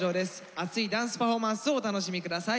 アツいダンスパフォーマンスをお楽しみください。